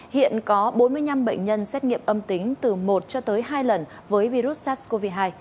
hiện có bốn mươi năm bệnh nhân xét nghiệm âm tính từ một cho tới hai lần với virus sars cov hai